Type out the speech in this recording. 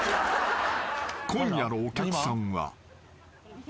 ［今夜のお客さんは］